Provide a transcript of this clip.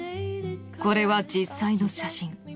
これは実際の写真。